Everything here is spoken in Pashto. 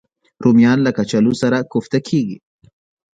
رومیان له کچالو سره کوفته کېږي